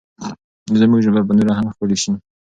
زموږ ژبه به نوره هم ښکلې شي.